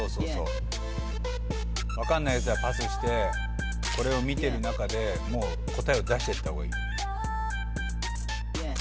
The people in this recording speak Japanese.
分かんないやつはパスしてこれを見てる中でもう答えを出してった方がいい。